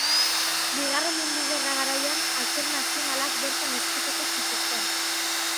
Bigarren Mundu Gerra garaian Altxor Nazionalak bertan ezkutatu zituzten.